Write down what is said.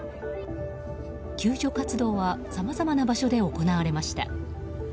救助活動はさまざまな場所で行われました。